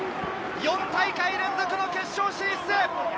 ４大会連続の決勝進出。